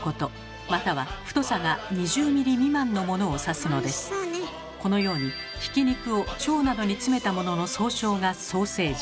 つまりこのようにひき肉を腸などに詰めたものの総称がソーセージ。